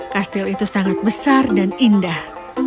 kastil itu sangat besar dan indah